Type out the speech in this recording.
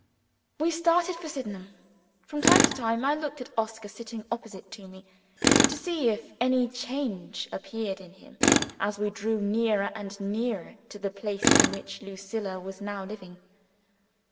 We started for Sydenham. From time to time, I looked at Oscar sitting opposite to me, to see if any change appeared in him as we drew nearer and nearer to the place in which Lucilla was now living.